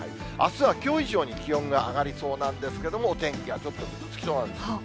あすはきょう以上に気温が上がりそうなんですけれども、お天気はちょっとぐずつきそうなんです。